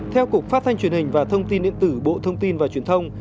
theo cục phát thanh truyền hình và thông tin điện tử bộ thông tin và truyền thông